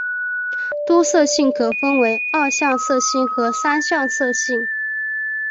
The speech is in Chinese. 多色性可分为二向色性与三向色性。